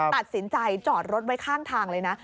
ตัดสินใจจอดรถไว้ข้างทางเลยนะ